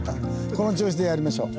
この調子でやりましょう。